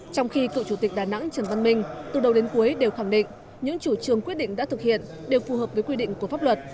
trong khi cựu chủ tịch đà nẵng trần văn minh từ đầu đến cuối đều khẳng định những chủ trương quyết định đã thực hiện đều phù hợp với quy định của pháp luật